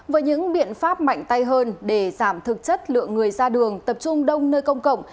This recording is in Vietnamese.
với những biện pháp mạnh tay hơn để giảm thực chất lượng người ra đường tập trung đông nơi công cộng